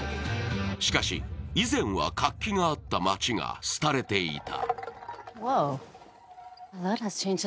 しかし、以前は活気があった街が廃れていた。